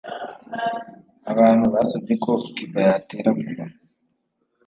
Abantu basabye ko Cuba yatera vuba.